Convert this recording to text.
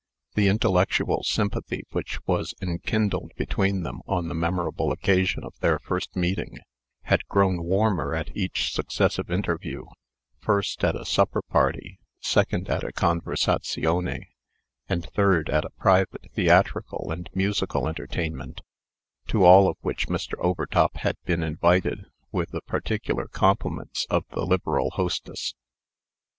The intellectual sympathy which was enkindled between them on the memorable occasion of their first meeting, had grown warmer at each successive interview first at a supper party, second at a conversazione, and third at a private theatrical and musical entertainment, to all of which Mr. Overtop had been invited, with the particular compliments of the liberal hostess.